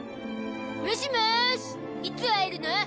もしもーしいつ会えるの？